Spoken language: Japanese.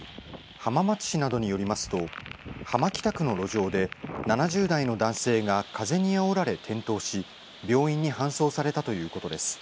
浜松市などによりますと浜北区の路上で７０代の男性が風にあおられ転倒し病院に搬送されたということです。